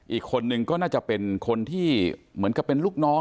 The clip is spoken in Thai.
อีกคนนึงก็น่าจะเป็นคนที่เหมือนกับเป็นลูกน้อง